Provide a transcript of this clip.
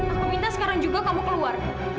aku minta sekarang juga kamu keluar